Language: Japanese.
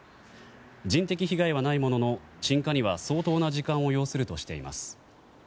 人的被害はないものの鎮火には相当な時間を要するとしています。